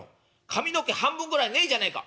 髪の毛半分ぐらいねえじゃねえか」。